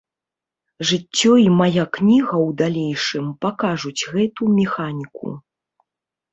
Жыццё і мая кніга ў далейшым пакажуць гэту механіку.